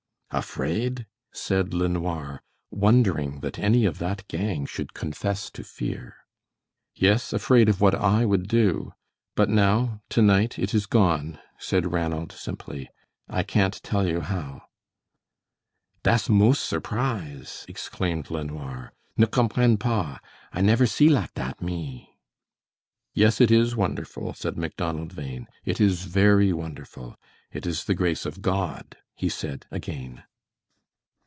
"Afraid?" said LeNoir, wondering that any of that gang should confess to fear. "Yes, afraid of what I would do. But now, tonight, it is gone," said Ranald, simply, "I can't tell you how." "Das mos' surprise!" exclaimed LeNoir. "Ne comprenne pas. I never see lak dat, me!" "Yes, it is wonderful," said Macdonald Bhain. "It is very wonderful. It is the grace of God," he said again.